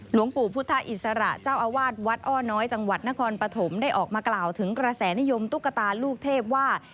หลวงปู่พุทธอิสระเจ้าอาวาสวัดอ้อน้อยจังหวัดนครปฐมได้ออกมากล่าวถึงกระแสนิยมตุ๊กตาลูกเทพว่า